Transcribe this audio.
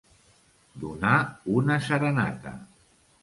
Donar una serenata.